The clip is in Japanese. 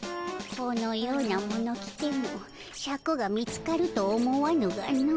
このようなもの着てもシャクが見つかると思わぬがの。